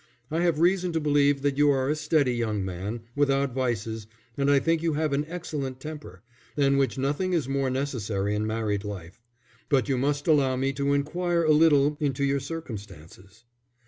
I have reason to believe that you are a steady young man, without vices, and I think you have an excellent temper, than which nothing is more necessary in married life. But you must allow me to inquire a little into your circumstances."